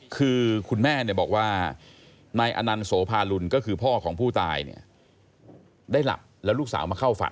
คือคุณแม่บอกว่านายอนันต์โสภาลุลก็คือพ่อของผู้ตายเนี่ยได้หลับแล้วลูกสาวมาเข้าฝัน